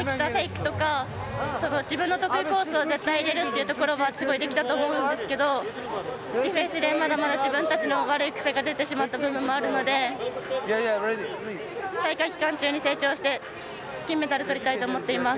今まで練習してきたフェイクとか自分の得意コースを絶対入れるということはすごいできたと思うんですけどディフェンスで自分たちの悪い癖が出てしまった部分があるので大会期間中に成長して金メダルをとりたいと思います。